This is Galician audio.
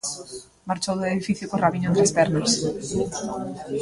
Marchou do edificio co rabiño entre as pernas.